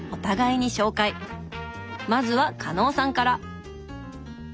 まずは加納さんから！